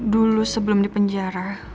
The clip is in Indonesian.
dulu sebelum di penjara